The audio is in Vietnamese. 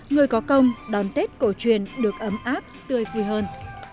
người có công đón tết cổ truyền được ấm áp tươi phi hơn